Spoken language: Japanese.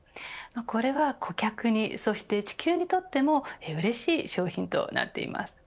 これは顧客にそして地球にもうれしい商品となっています。